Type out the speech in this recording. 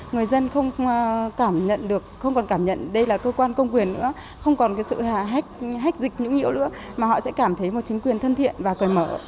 người dân không còn cảm nhận đây là cơ quan công quyền nữa không còn sự hách dịch những nhiễu nữa mà họ sẽ cảm thấy một chính quyền thân thiện và cười mở